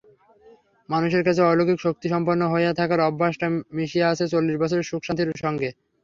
মানুষের কাছে অলৌকিক শক্তিসম্পন্ন হইয়া থাকার অভ্যাস যে মিশিয়া আছে চল্লিশ বছরের সুখশান্তির সঙ্গে।